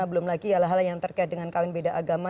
belum lagi hal hal yang terkait dengan kawin beda agama